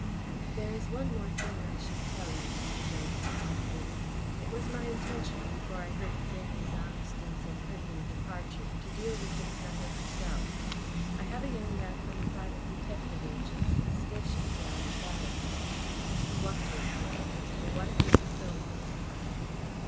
"There is one thing more I should tell you," Mr. Johnson concluded. "It was my intention, before I heard of Gregory Ballaston's impending departure, to deal with this matter myself. I have a young man from a private detective agency stationed down at Ballaston. He watches, however, for one purpose only."